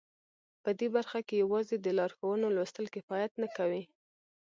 په دې برخه کې یوازې د لارښوونو لوستل کفایت نه کوي